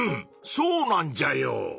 そうなんじゃよ！